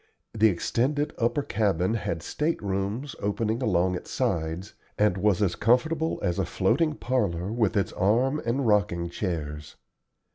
The extended upper cabin had state rooms opening along its sides, and was as comfortable as a floating parlor with its arm and rocking chairs.